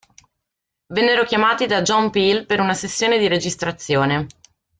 Vennero chiamati da John Peel per una sessione di registrazione.